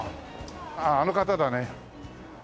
あああの方だね。